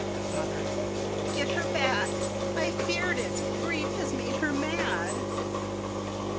Mother: Get her back! I feared it. Grief has made her mad.